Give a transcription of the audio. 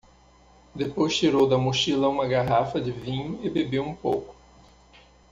Depois tirou da mochila uma garrafa de vinho e bebeu um pouco.